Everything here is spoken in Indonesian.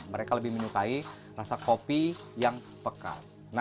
mereka lebih menyukai rasa kopi yang pekal